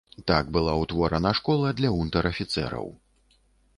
Так была ўтворана школа для унтэр-афіцэраў.